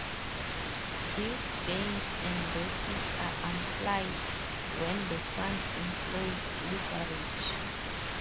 These gains or losses are amplified when the fund employs leverage.